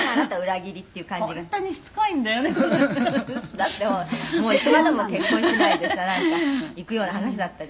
「だってもういつまでも結婚しないでさなんかいくような話だったじゃない？」